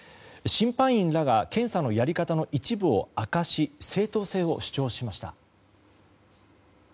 審判員らが検査のやり方の一部を明かし正当性を主張しました。